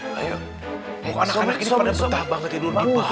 kok anak anak ini pada betah banget tidur